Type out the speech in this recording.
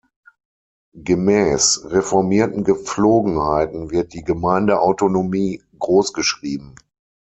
Gemäß reformierten Gepflogenheiten wird die Gemeindeautonomie großgeschrieben.